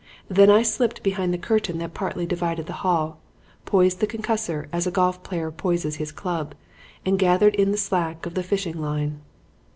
Then I slipped behind the curtain that partly divided the hall, poised the concussor as a golf player poises his club, and gathered in the slack of the fishing line.